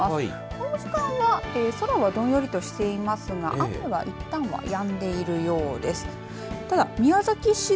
この時間は空はどんよりとしていますが雨はいったんはやんでいるようです。